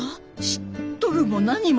知っとるも何も。